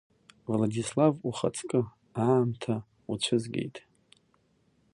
Владислав ухаҵкы, аамҭа уцәызгеит.